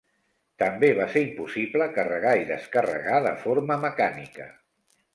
També va ser impossible carregar i descarregar de forma mecànica.